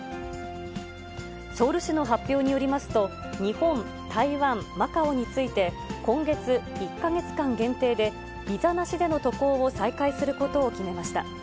ソウル市の発表によりますと、日本、台湾、マカオについて、今月１か月間限定で、ビザなしでの渡航を再開することを決めました。